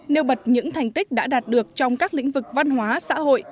nêu bật những thành tích đã đạt được trong các lĩnh vực văn hóa xã hội